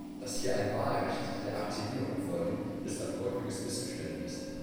Dass hier ein Wahlrecht der Aktivierung vorliegt, ist ein häufiges Missverständnis.